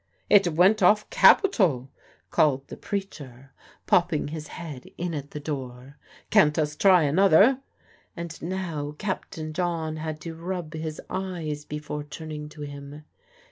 "It went off capital!" called the preacher, popping his head in at the door. "Can't us try another?" And now Captain John had to rub his eyes before turning to him.